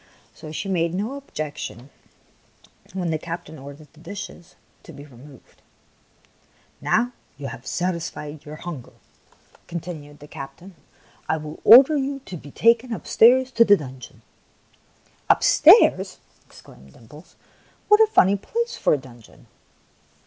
So she made no objec tion when the captain ordered the dishes to be removed. " Now you have satisfied your hunger," con 138 THE PALACE ON THE FLOOR tinued the captain, "I will order you to be taken upstairs to the dungeon." "Upstairs!" exclaimed Dimples. "What a funny place for a dungeon